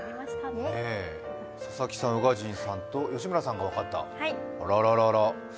佐々木さん、宇賀神さんと吉村さんが分かった、あららら。